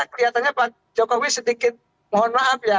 kelihatannya pak jokowi sedikit mohon maaf ya